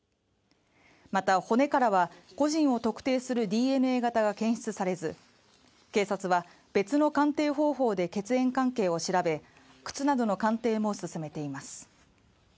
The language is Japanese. また骨からは個人を特定するＤＮＡ型が検出されず警察は別の鑑定方法で血縁関係を調べ靴などの鑑定も進めています